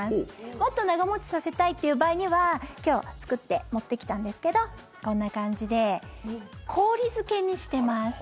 もっと長持ちさせたいという場合には今日作って持ってきたんですけどこんな感じで氷漬けにしてます。